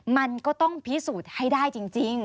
มันก็ต้องพิสูจน์ให้ได้จริง